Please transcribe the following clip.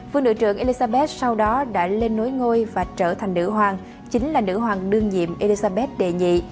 vương nữ trưởng elizabeth sau đó đã lên nối ngôi và trở thành nữ hoàng chính là nữ hoàng nương nhiệm elizabeth đệ nhị